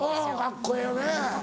カッコええよね。